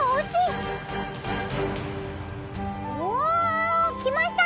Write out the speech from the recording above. おお来ました！